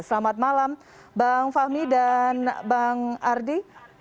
selamat malam bang fahmi dan bang ardi